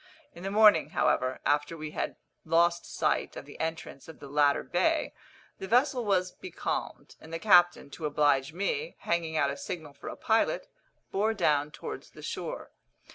In the morning, however, after we had lost sight of the entrance of the latter bay, the vessel was becalmed; and the captain, to oblige me, hanging out a signal for a pilot, bore down towards the shore.